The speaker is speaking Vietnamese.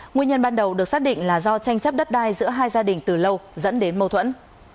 nguyên nhân ban đầu được xác định là do tranh chấp đất đai giữa hai gia đình từ lâu dẫn đến mâu thuẫn